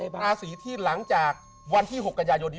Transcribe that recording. พูดถูกพูดถูกพูดถูก